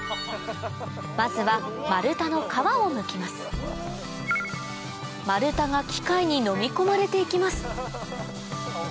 まずは丸太が機械にのみ込まれて行きます